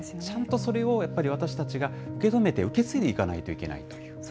ちゃんとそれを、やっぱり私たちが受け止めて、受け継いでいかないといけないという。